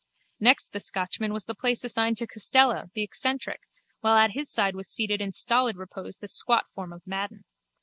Next the Scotchman was the place assigned to Costello, the eccentric, while at his side was seated in stolid repose the squat form of Madden.